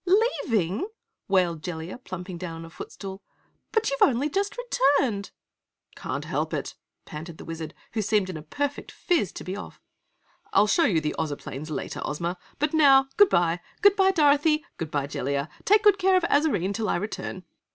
"Leaving!" wailed Jellia, plumping down on a foot stool. "But you've only just returned!" "Can't help it," panted the Wizard, who seemed in a perfect phiz to be off, "I'll show you the Ozoplanes later, Ozma, but now Goodbye! Goodbye, Dorothy! Goodbye Jellia! Take good care of Azarine till I return!"